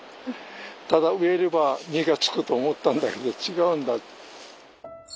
ただ植えれば実がつくと思ったんだけど違うんだ。